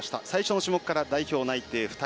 最初の種目から代表内定２人。